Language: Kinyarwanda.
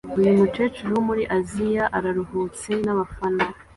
Uyu mukecuru wo muri Aziya araruhutse nabafana